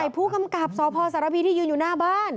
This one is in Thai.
ผู้กำกับสพสารพีที่ยืนอยู่หน้าบ้าน